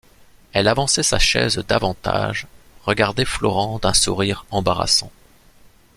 Elle avançait sa chaise davantage, regardait Florent d’un sourire embarrassant.